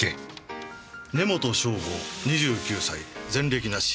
根元尚吾２９歳前歴なし。